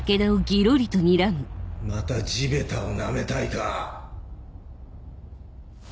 また地べたをなめたいか？